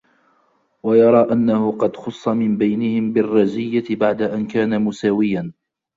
وَيَرَى أَنَّهُ قَدْ خُصَّ مِنْ بَيْنِهِمْ بِالرَّزِيَّةِ بَعْدَ أَنْ كَانَ مُسَاوِيًا